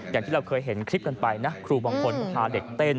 อย่างที่เราเคยเห็นคลิปกันไปนะครูบางคนก็พาเด็กเต้น